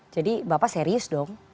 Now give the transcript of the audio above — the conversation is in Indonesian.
jadi bapak serius dong